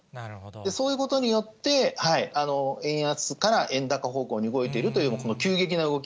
そういうことによって、円安から円高方向に動いているというのが、この急激な動き。